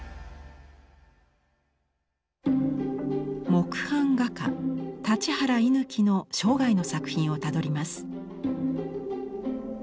木版画家立原位貫の生涯の作品をたどります。